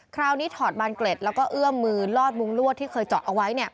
ถอดบานเกล็ดแล้วก็เอื้อมมือลอดมุ้งลวดที่เคยเจาะเอาไว้